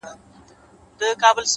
د فکر پاکوالی ژوند بدلوي.!